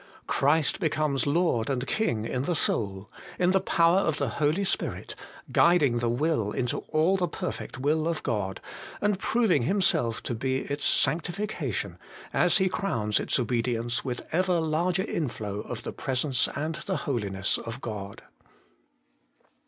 Christ becomes Lord and King in the soul, in the power of the Holy Spirit, guiding the will into all the perfect will of God, and proving Himself to be 198 HOLY IN CHRIST. its sanctification, as He crowns its obedience with ever larger inflow of the Presence and the Holiness of God.